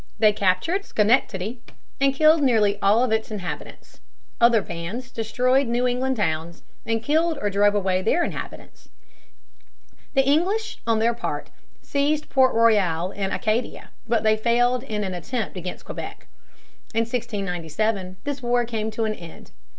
They captured Schenectady and killed nearly all the inhabitants. Other bands destroyed New England towns and killed or drove away their inhabitants. The English, on their part, seized Port Royal in Acadia, but they failed in an attempt against Quebec. In 1697 this war came to an end.